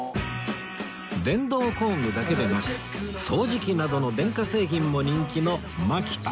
電動工具だけでなく掃除機などの電化製品も人気のマキタ